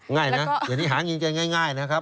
ง่ายนะเหมือนอย่างนี้หางินไปง่ายน่ะครับ